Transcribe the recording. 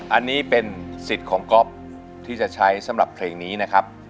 อันนี้เป็นสิทธิ์ของก๊อฟที่จะใช้สำหรับเพลงนี้นะครับ